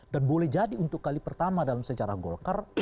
dan boleh jadi untuk kali pertama dalam sejarah golkar